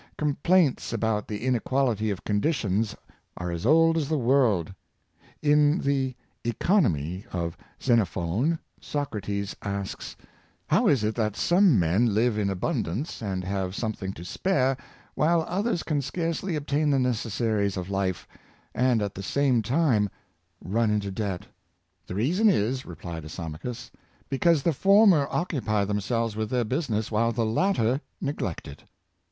Complaints about the inequality of conditions are as old as the world. In the " Economy " of Xenophon, Socrates asks, " How is it that some men live in abun dance, and have something to spare, while others can scarely obtain the necessaries of life, and at the same Lack of Tact. 421 time run into debt?" "The reason Is," replied Iso machus, " because the former occupy themselves with their business, while the latter neglect it."